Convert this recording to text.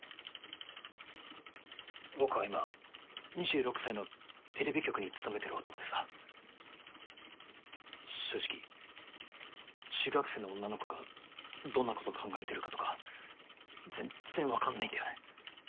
僕は今２６歳のテレビ局に勤めてる男でさ正直中学生の女の子がどんなこと考えてるかとか全然わかんないんだよね。